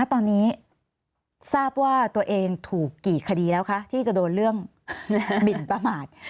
ตอนนี้ทราบว่าตัวเองถูกกี่คดีแล้วคะที่จะโดนเรื่องหมินประมาท